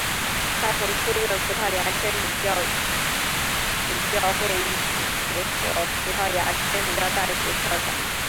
他曾出任葡萄牙天主教主教会议主席和葡萄牙天主教大学校长。